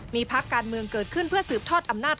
มีพักการเมืองเกิดขึ้นเพื่อสืบทอดอำนาจ